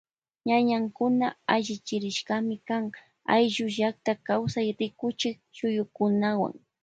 Ñañnkuna allichirishkami kan ayllu llakta kawsay rikuchik shuyukunawan.